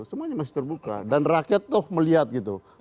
semuanya masih terbuka dan rakyat toh melihat gitu